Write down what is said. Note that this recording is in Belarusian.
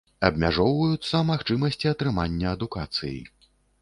Абмяжоўваюцца магчымасці атрымання адукацыі.